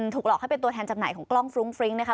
ถูกหลอกให้เป็นตัวแทนจำหน่ายของกล้องฟรุ้งฟริ้งนะคะ